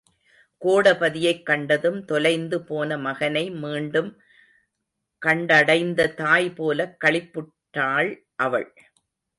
கோடபதியைக் கண்டதும், தொலைந்து போன மகனை மீண்டும் கண்டடைந்த தாய்போலக் களிப்புற்றாள் அவள்.